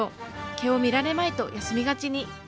毛を見られまいと休みがちに。